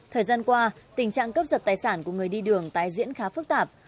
thời gian qua tình trạng cướp giật tài sản của người đi đường tái diễn khá phức tạp